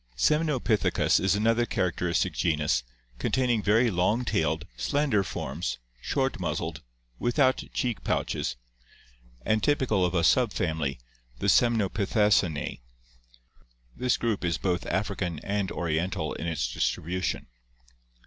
Semnopithecus is another characteristic genus, containing very long tailed, slender forms, short muzzled, without cheek pouches, and typical of a subfamily, the Semnopithecinae. This group is both African and Oriental in its distribution.